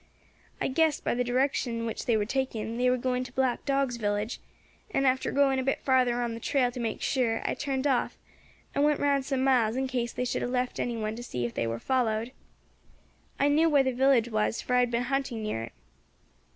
I guessed, by the direction which they were taking, they were going to Black Dog's village; and, after going a bit further on the trail to make sure, I turned off, and went round some miles, in case they should have left any one to see if they war followed. I knew where the village was, for I had been hunting near it.